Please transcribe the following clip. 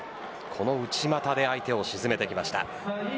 この内股で相手を沈めてきました。